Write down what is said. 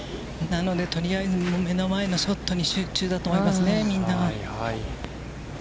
なので、とりあえず目の前のショットに集中打と思いますね、みんな。